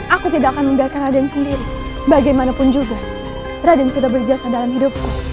aku tidak akan meninggalkan raden sendiri bagaimanapun juga raden sudah berjasa dalam hidupku